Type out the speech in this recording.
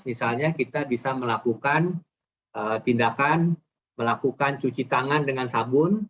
misalnya kita bisa melakukan tindakan melakukan cuci tangan dengan sabun